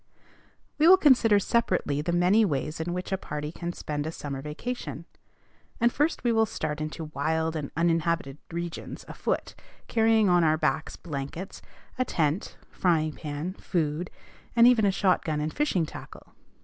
We will consider separately the many ways in which a party can spend a summer vacation; and first we will start into wild and uninhabited regions, afoot, carrying on our backs blankets, a tent, frying pan, food, and even a shot gun and fishing tackle.